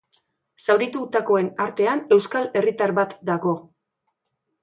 Zauritutakoen artean, euskal herritar bat dago.